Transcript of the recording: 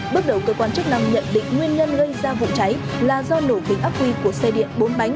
bước đầu cơ quan chức năng nhận định nguyên nhân gây ra vụ cháy là do nổ kính ác quy của xe điện bốn bánh